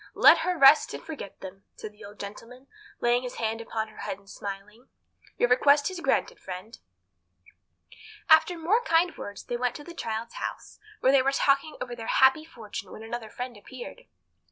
Let her rest and forget them," said the old gentleman, laying his hand upon her head, and smiling at her. "Your request is granted, friend." After more kind words they went to the child's house, where they were talking over their happy fortune when another friend appeared.